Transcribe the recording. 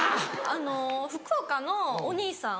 あの福岡のお兄さん？